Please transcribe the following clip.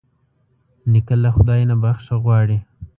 نیکه له خدای نه بښنه غواړي.